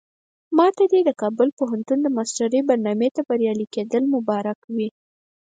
ماته دې د کابل پوهنتون د ماسترۍ برنامې ته بریالي کېدل مبارک وي.